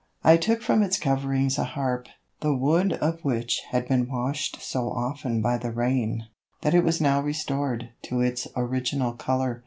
I took from its coverings a harp, the wood of which had been washed so often by the rain, that it was now restored to its original color.